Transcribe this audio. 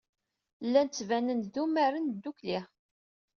Llan ttbanen-d umaren ddukkli.